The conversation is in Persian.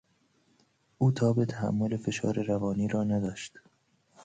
او تاب تحمل فشار روانی را نداشت.